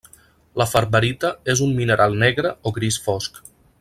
La ferberita és un mineral negre o gris fosc.